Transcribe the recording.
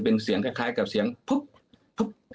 เป็นเสียงคล้ายกับเสียงพุ๊บยังเนี่ยพอขึ้นไป